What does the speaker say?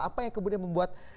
apa yang kemudian membuat